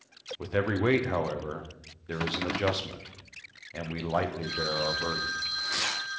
With every weight, however, there is an adjustment, and we lightly bear our burden.